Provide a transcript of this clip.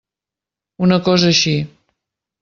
Una cosa així.